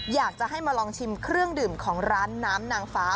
อยากจะให้มาลองชิมเครื่องดื่มของร้านน้ำนางฟ้า